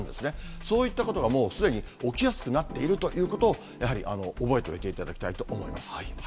そういったことがもうすでに起きやすくなっているということをやはり覚えておいていただきたいと思います。